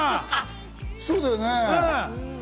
そうだよね。